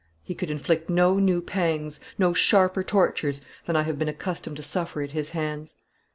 He could inflict no new pangs, no sharper tortures, than I have been accustomed to suffer at his hands.